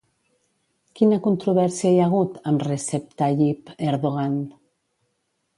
Quina controvèrsia hi ha hagut amb Recep Tayyip Erdogan?